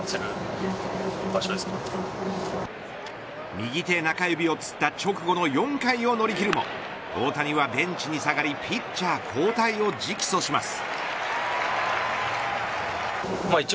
右手中指をつった直後の４回を乗り切るも大谷はベンチに下がりピッチャー交代を直訴します。